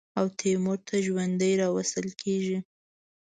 او تیمور ته ژوندی راوستل کېږي.